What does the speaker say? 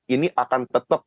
ini akan tetap